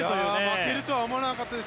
負けるとは思わなかったです。